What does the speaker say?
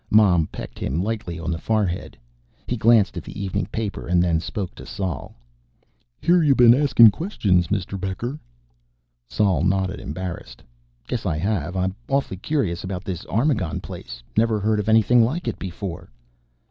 Mom pecked him lightly on the forehead. He glanced at the evening paper, and then spoke to Sol. "Hear you been asking questions, Mr. Becker." Sol nodded, embarrassed. "Guess I have. I'm awfully curious about this Armagon place. Never heard of anything like it before."